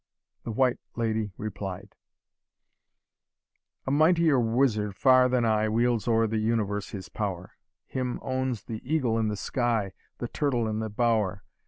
The White Lady replied, "A mightier wizard far than I Wields o'er the universe his power; Him owns the eagle in the sky, The turtle in the bower.